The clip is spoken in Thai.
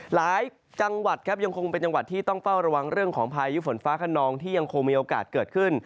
หลายจังหวัดครับยังคงเป็นจังหวัดที่ต้องเฝ้าระวังเรื่องของพายุฝนฟ้าขนองที่ยังคงมีโอกาสเกิดขึ้น